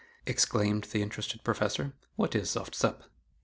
exclaimed the interested Professor, "what is 'soft sup.